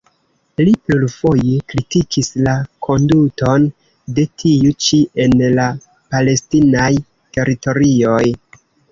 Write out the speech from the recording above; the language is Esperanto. Li plurfoje kritikis la konduton de tiu ĉi en la palestinaj teritorioj.